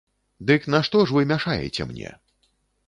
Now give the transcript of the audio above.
Дык нашто ж вы мяшаеце мне?